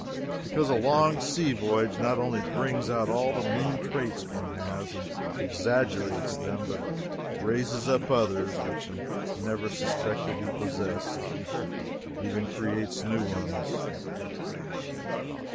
Because a long sea voyage not only brings out all the mean traits one has, and exaggerates them, but raises up others which he never suspected he possessed, and even creates new ones.